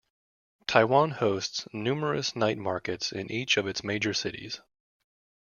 Taiwan hosts numerous night markets in each of its major cities.